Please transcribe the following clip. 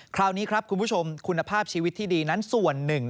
คราวนี้ครับคุณผู้ชมคุณภาพชีวิตที่ดีนั้นส่วนหนึ่ง